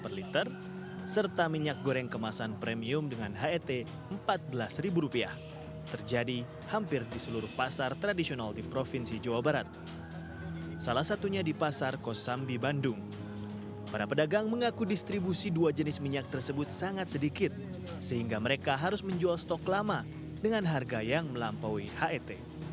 ketua kementerian pertanian pak biasa menjual stok lama dengan harga yang melampaui het